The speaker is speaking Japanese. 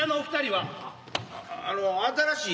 はい。